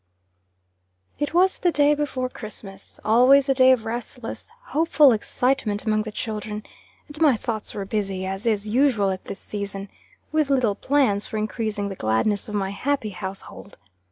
IT was the day before Christmas always a day of restless, hopeful excitement among the children; and my thoughts were busy, as is usual at this season, with little plans for increasing the gladness of my happy household.